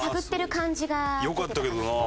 よかったけどな。